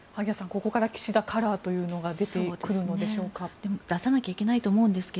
これから岸田カラーというのが出てくるのでしょうか。